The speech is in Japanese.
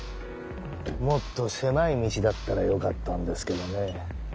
もっと狭い道だったらよかったんですけどね。